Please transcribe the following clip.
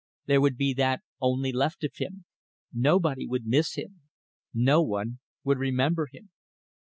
There would be that only left of him; nobody would miss him; no one would remember him.